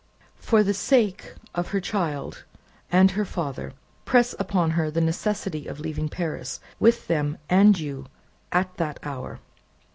"For the sake of her child and her father, press upon her the necessity of leaving Paris, with them and you, at that hour.